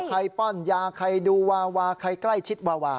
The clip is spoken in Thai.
ป้อนยาใครดูวาวาใครใกล้ชิดวาวา